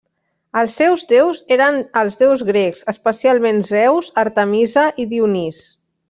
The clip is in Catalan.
Els seus déus eren els déus grecs especialment Zeus, Artemisa i Dionís.